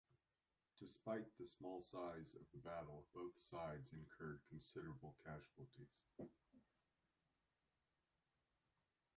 Despite the small size of the battle, both side incurred considerable casualties.